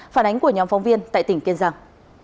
phản ánh của nhóm phóng viên tại tỉnh kiên giang